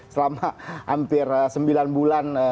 selama hampir sembilan bulan